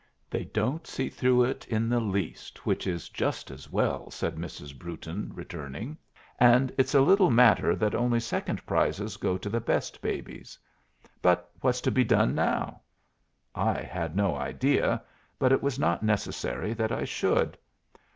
"They don't see through it in the least, which is just as well," said Mrs. Brewton, returning. "And it's little matter that only second prizes go to the best babies. But what's to be done now?" I had no idea; but it was not necessary that I should.